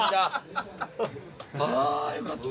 あよかった。